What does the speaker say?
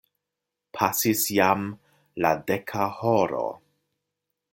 Pasis jam la deka horo.